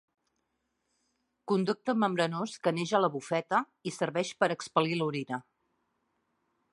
Conducte membranós que neix a la bufeta i serveix per a expel·lir l'orina.